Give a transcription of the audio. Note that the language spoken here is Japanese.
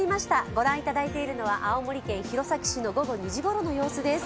御覧いただいているのは青森県弘前市の午後２時ごろの様子です。